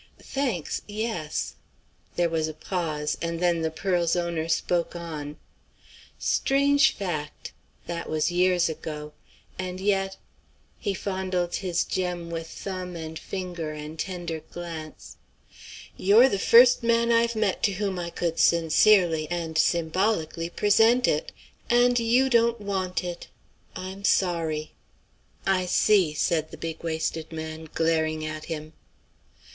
"Thanks, yes." There was a pause, and then the pearl's owner spoke on. "Strange fact. That was years ago. And yet" he fondled his gem with thumb and finger and tender glance "you're the first man I've met to whom I could sincerely and symbolically present it, and you don't want it. I'm sorry." "I see," said the big waisted man, glaring at him.